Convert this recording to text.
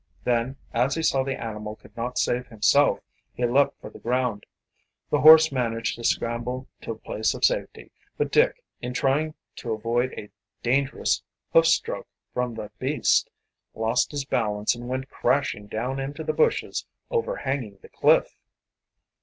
Then, as he saw the animal could not save himself, he leaped for the ground. The horse managed to scramble to a place of safety, but Dick, in trying to avoid a dangerous hoof stroke from the beast, lost his balance and went crashing down into the bushes overhanging the cliff!